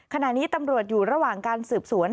ขณะนี้ตำรวจอยู่ระหว่างการสืบสวน